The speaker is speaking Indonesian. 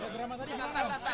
drama tadi gimana